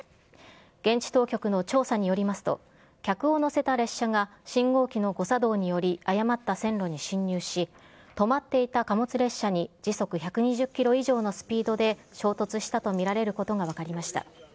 現地当局の調査によりますと、客を乗せた列車が信号機の誤作動により誤った線路に進入し、止まっていた貨物列車に時速１２０キロ以上のスピードで衝突したと見られることが分かりました。